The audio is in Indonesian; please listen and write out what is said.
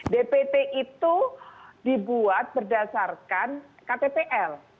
dpt itu dibuat berdasarkan ktpl